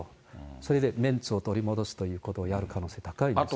それで面子を取り戻すということをやる可能性高いですね。